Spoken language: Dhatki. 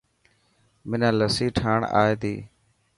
منا لسي ٺاهڻ آي تي.